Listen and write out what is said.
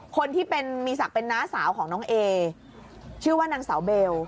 คนที่เป็นมีศักดิ์เป็นน้าสาวของน้องเอชื่อว่านางสาวเบล